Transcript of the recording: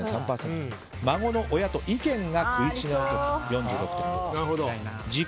孫の親と意見が食い違う時４６％。